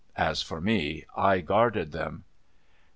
As for me, I guarded them.